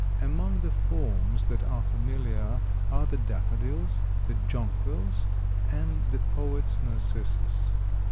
Among the forms that are familiar are the daffodils, the jonquils, and the poet's narcissus.